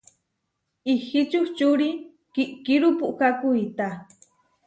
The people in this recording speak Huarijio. Ihí čučuri kiʼkíru puʼká kuitá.